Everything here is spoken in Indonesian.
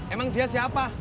emang dia siapa